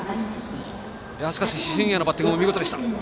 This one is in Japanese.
しかし新家のバッティングも見事でした。